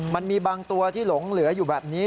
มันมีบางตัวที่หลงเหลืออยู่แบบนี้